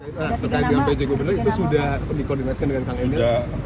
nah berkaitan dengan pc gubernur itu sudah dikoordinasikan dengan tangan ini